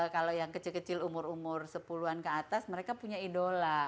kalau yang kecil kecil umur umur sepuluh an ke atas mereka punya idola